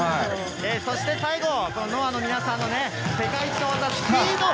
そして最後、ＮＯＡＨの皆さんの世界一の技、スピード。